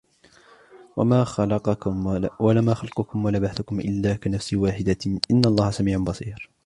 مَا خَلْقُكُمْ وَلَا بَعْثُكُمْ إِلَّا كَنَفْسٍ وَاحِدَةٍ إِنَّ اللَّهَ سَمِيعٌ بَصِيرٌ